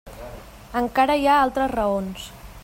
Encara hi ha altres raons.